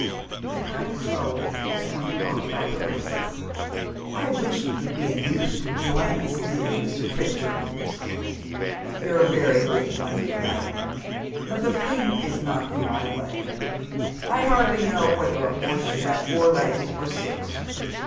The kind soul has come to talk about the races. " I "wish you could be induced to join us, dear ilr. Trenchard." *' You're veiy good, my dear madam, but the thing is not in my way. I hardly know whether a horse should have four legs or sis.